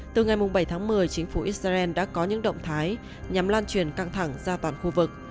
từ ngày bảy tháng một mươi chính phủ israel đã có những động thái nhằm lan truyền căng thẳng ra toàn khu vực